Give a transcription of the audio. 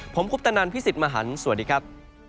ผมคุปตะนันพี่สิทธิ์มหันฯสวัสดีครับ